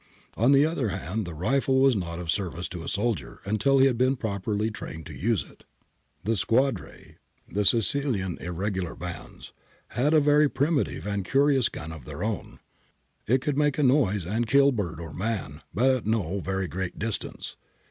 On the other hand, the rifle was not of service to a soldier until he had been properly trained to use it.' [See Captain Forbes' remarks p. 329 below.] ' The Squadre (Sicilian irregular bands) had a very primitive and curious gun of their own. It could make noise and kill bird or man, but at no very great distance.